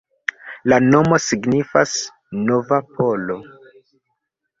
La nomo signifas nova-polo.